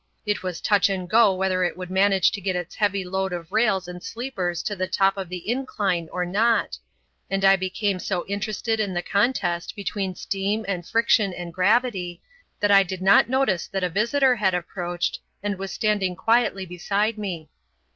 It was touch and go whether it would manage to get its heavy load of rails and sleepers to the top of the incline or not, and I became so interested in the contest between steam and friction and gravity, that I did not notice that a visitor had approached and was standing quietly beside me.